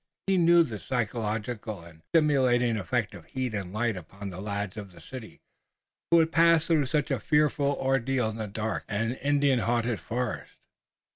He knew the psychological and stimulating effect of heat and light upon the lads of the city, who had passed through such a fearful ordeal in the dark and Indian haunted forest.